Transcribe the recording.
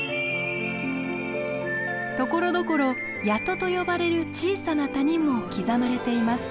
ところどころ谷戸と呼ばれる小さな谷も刻まれています。